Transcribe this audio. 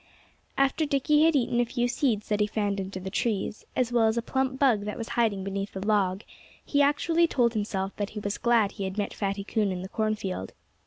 After Dickie had eaten a few seeds that he found under the trees, as well as a plump bug that was hiding beneath a log, he actually told himself that he was glad he had met Fatty Coon in the cornfield.